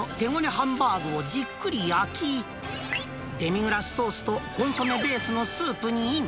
ハンバーグをじっくり焼き、デミグラスソースとコンソメベースのスープにイン。